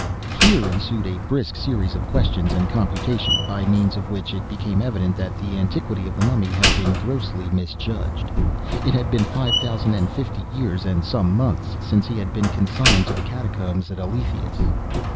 Here ensued a brisk series of questions and computations, by means of which it became evident that the antiquity of the Mummy had been grossly misjudged. It had been five thousand and fifty years and some months since he had been consigned to the catacombs at Eleithias.